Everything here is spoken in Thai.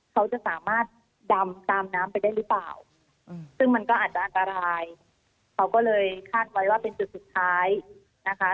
เขาจะสามารถดำตามน้ำไปได้หรือเปล่าซึ่งมันก็อาจจะอันตรายเขาก็เลยคาดไว้ว่าเป็นจุดสุดท้ายนะคะ